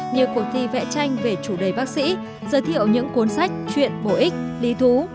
như cuộc thi vẽ tranh về chủ đề bác sĩ giới thiệu những cuốn sách chuyện bổ ích lý thú